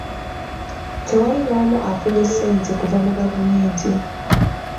Tewali n'omu afunye ssente kuva mu gavumenti.